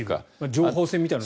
情報戦みたいな。